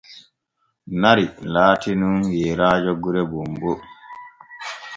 Nari laati nun yeeraajo gure bonbo.